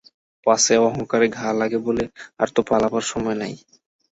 পাছে অহংকারে ঘা লাগে বলে আর তো পালাবার সময় নেই।